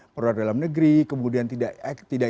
produk dalam negeri kemudian tidak